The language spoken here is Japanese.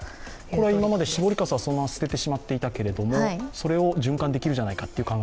これは今まで絞りかすはそのまま捨ててしまっていたけれどもそれを利用できるのでは亡いかと。